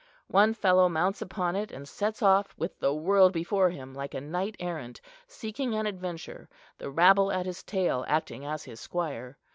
One fellow mounts upon it, and sets off with the world before him, like a knight errant, seeking an adventure, the rabble at his tail acting as squire.